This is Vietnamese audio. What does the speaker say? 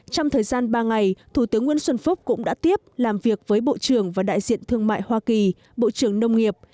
trong thời gian ba ngày thủ tướng nguyễn xuân phúc cũng đã tiếp làm việc với bộ trưởng và đại diện thương mại hoa kỳ bộ trưởng nông nghiệp